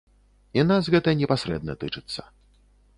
І нас гэта непасрэдна тычыцца.